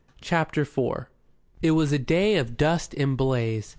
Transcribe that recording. CHAPTER IV IT was a day of dust and blaze.